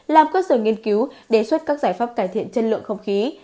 làm cơ sở nghiên cứu đề xuất các giải pháp cải thiện chất lượng không khí